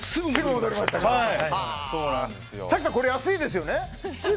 早紀さん、これは安いですよね。